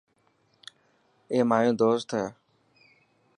اي مايو دوست هي.